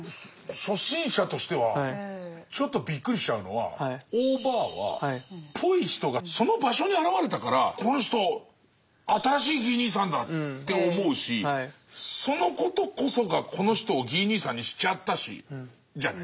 初心者としてはちょっとびっくりしちゃうのはオーバーはっぽい人がその場所に現れたから「この人新しいギー兄さんだ」って思うしそのことこそがこの人をギー兄さんにしちゃったじゃないですか。